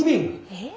えっ？